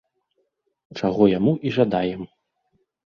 Чаго яму і жадаем.